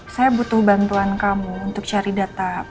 saya butuh bantuan kamu untuk cari data